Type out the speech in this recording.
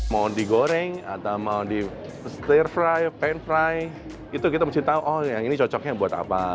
mau digoreng atau mau di setir fry pan fry itu kita mesti tahu oh yang ini cocoknya buat apa